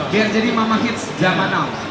biar jadi mama hits zaman now